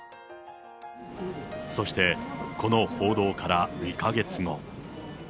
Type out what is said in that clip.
そして、この報道から２か月後。